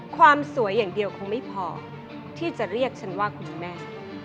ความสวยอย่างเดียวคงไม่พอที่จะเรียกฉันว่าคุณแม่